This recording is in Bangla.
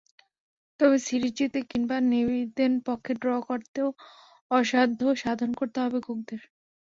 তবে সিরিজ জিততে কিংবা নিদেনপক্ষে ড্র করতেও অসাধ্য সাধন করতে হবে কুকদের।